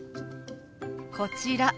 こちら。